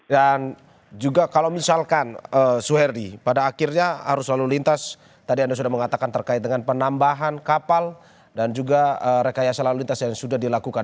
dan juga kalau misalkan soerdi pada akhirnya arus lalu lintas tadi anda sudah mengatakan terkait dengan penambahan kapal dan juga rekayasa lalu lintas yang sudah dilakukan